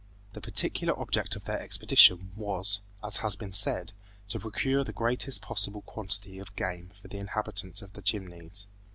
The particular object of their expedition was, as has been said, to procure the greatest possible quantity of game for the inhabitants of the Chimneys.